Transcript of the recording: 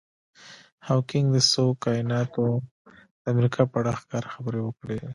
هاوکېنګ د څو کایناتونو د امکان په اړه ښکاره خبرې وکړي.